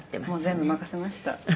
「全部任せました」